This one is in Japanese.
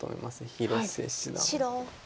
広瀬七段は。